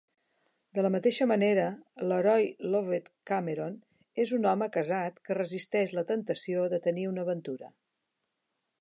De la mateixa manera, l'heroi Lovett Cameron és un home casat que resisteix la temptació de tenir una aventura.